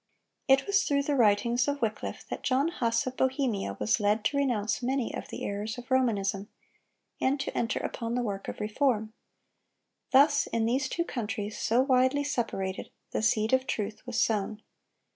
It was through the writings of Wycliffe that John Huss, of Bohemia, was led to renounce many of the errors of Romanism, and to enter upon the work of reform. Thus in these two countries, so widely separated, the seed of truth was sown.